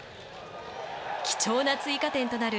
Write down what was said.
貴重な追加点となる